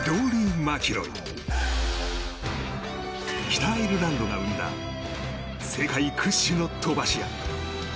北アイルランドが生んだ世界屈指の飛ばし屋。